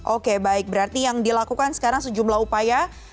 oke baik berarti yang dilakukan sekarang sejumlah upaya